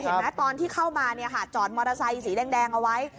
ตอนที่เข้ามาจอดมอเตอร์ไซค์สีแดงเอาไว้